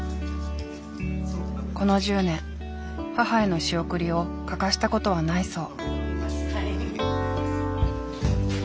この１０年母への仕送りを欠かした事はないそう。